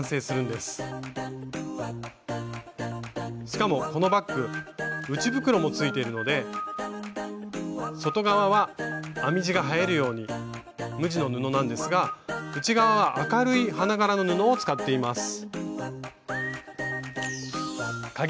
しかもこのバッグ内袋もついているので外側は編み地が映えるように無地の布なんですが内側は明るい花柄の布を使っています。